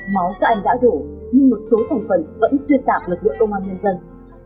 máu cạn đã đổ nhưng một số thành phần vẫn xuyên tạp lực lượng công an nhân dân